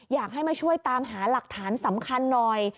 อยากให้มาช่วยตามหาหลักฐานสำคัญหน่อย